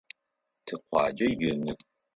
Тикъуаджэ ины.